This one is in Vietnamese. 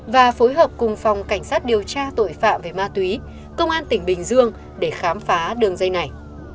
và phối hợp cùng phòng cảnh sát điều tra tội phạm về ma túy công an tỉnh bình dương để khám phá đường dây này